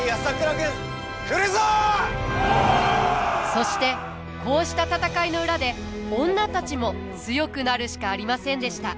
そしてこうした戦いの裏で女たちも強くなるしかありませんでした。